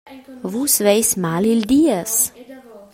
Vus veis mal il dies.